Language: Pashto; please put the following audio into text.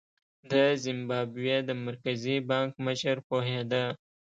د زیمبابوې د مرکزي بانک مشر پوهېده.